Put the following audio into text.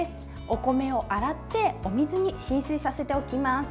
お米を洗ってお水に浸水させておきます。